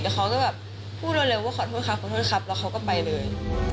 แล้วเขาก็พูดเร็วว่าขอโทษครับแล้วเขาก็ไปเลย